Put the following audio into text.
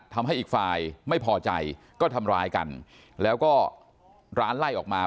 ทำให้อีกฝ่ายไม่พอใจก็ทำร้ายกันแล้วก็ร้านไล่ออกมา